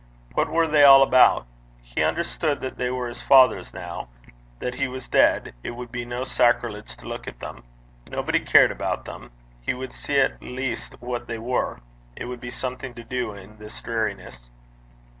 What were they all about? He understood that they were his father's: now that he was dead, it would be no sacrilege to look at them. Nobody cared about them. He would see at least what they were. It would be something to do in this dreariness.